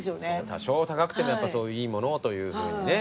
多少高くてもそういういいものをというふうにね。